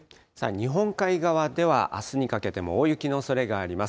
日本海側ではあすにかけても大雪のおそれがあります。